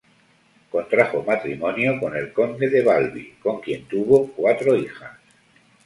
Contrajo matrimonio con el conde de Balbi, con quien tuvo cuatro hijas.